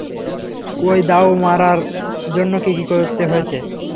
ঐ দাঁও মারার জন্য কী কী করতে হয়েছে?